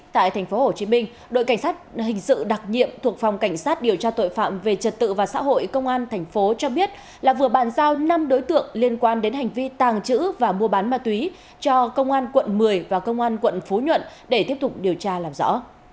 tại tp hcm đội cảnh sát hình sự đặc nhiệm thuộc phòng cảnh sát điều tra tội phạm về trật tự và xã hội công an tp cho biết là vừa bàn giao năm đối tượng liên quan đến hành vi tàng trữ và mua bán ma túy cho công an quận một mươi và công an quận phú nhuận để tiếp tục điều tra làm rõ